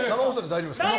大丈夫です。